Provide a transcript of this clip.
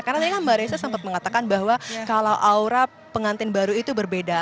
karena tadi mbak raisa sempat mengatakan bahwa kalau aura pengantin baru itu berbeda